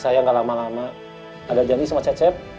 saya gak lama lama ada janji sama cecep